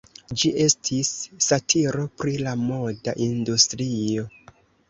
Ĝi estis satiro pri la moda industrio.